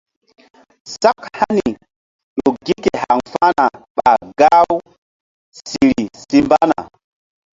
Sak hani ƴo gi ke haŋ fa̧hna ɓa gah u siri si mbana.